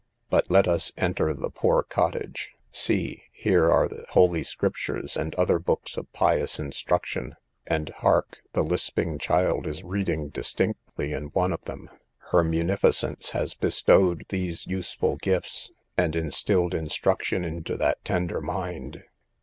But let us enter the poor cottage; see, here are the holy Scriptures and other books of pious instruction; and, hark! the lisping child is reading distinctly in one of them; her munificence has bestowed these useful gifts, and instilled instruction into that tender mind.